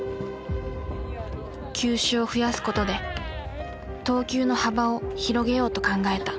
球種を増やすことで投球の幅を広げようと考えた。